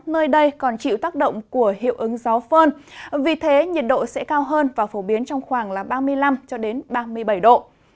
nơi đây còn chịu tác động của hiệu ứng gió phơn vì thế nhiệt độ sẽ cao hơn và phổ biến trong khoảng ba mươi năm ba mươi bảy độ